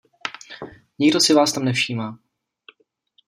Nikdo si vás tam nevšímá.